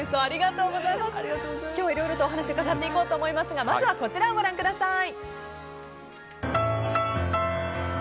今日はいろいろとお話を伺っていこうと思いますがまずはこちらをご覧ください。